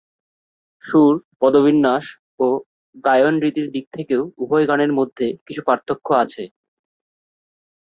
সুর, পদবিন্যাস ও গায়নরীতির দিক থেকেও উভয় গানের মধ্যে কিছু পার্থক্য আছে।